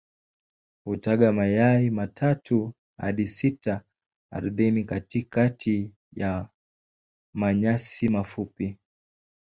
Hutaga mayai matatu hadi sita ardhini katikati ya manyasi mafupi.